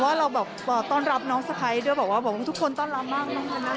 ว่าเราต้อนรับน้องสไพจะบอกว่าทุกคนต้อนรับมาก